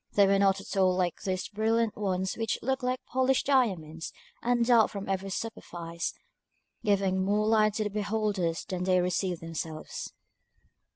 They were not at all like those brilliant ones which look like polished diamonds, and dart from every superfice, giving more light to the beholders than they receive themselves.